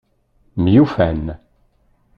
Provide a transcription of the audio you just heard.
Myufan.